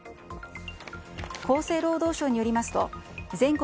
厚生労働省によりますと全国